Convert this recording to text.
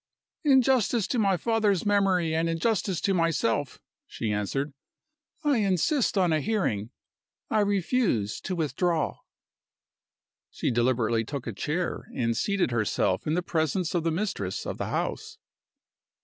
"In justice to my father's memory and in justice to myself," she answered, "I insist on a hearing. I refuse to withdraw." She deliberately took a chair and seated herself in the presence of the mistress of the house.